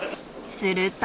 ［すると］